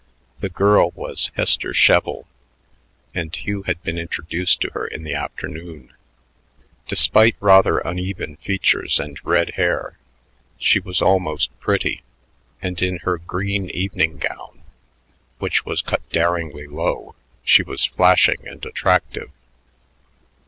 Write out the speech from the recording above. The girl was Hester Sheville, and Hugh had been introduced to her in the afternoon. Despite rather uneven features and red hair, she was almost pretty; and in her green evening gown, which was cut daringly low, she was flashing and attractive.